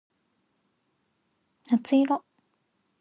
夏色